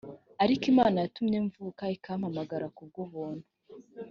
ariko imana yatumye mvuka ikampamagara ku bw’ubuntu